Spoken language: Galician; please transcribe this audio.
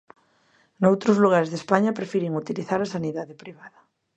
Noutros lugares de España prefiren utilizar a sanidade privada.